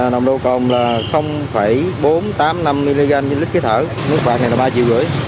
nồng nộ cồn là bốn trăm tám mươi năm mg lít khí thở nước bạc này là ba triệu rưỡi